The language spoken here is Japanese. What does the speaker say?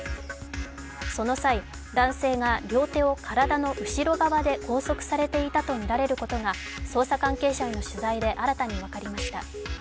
その際、男性が両手を体の後ろ側で拘束されていたとみられることが捜査関係者への取材で新たに分かりました。